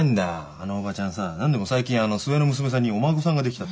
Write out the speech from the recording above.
あのおばちゃんさ何でも最近末の娘さんにお孫さんが出来たって。